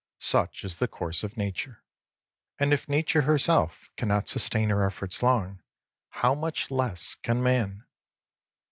Such is the course of Nature. And if Nature herself cannot sustain her efforts long, how much less can man